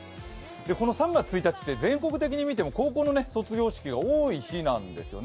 この３月１日って全国的に見ても高校の卒業式が多い日なんですね。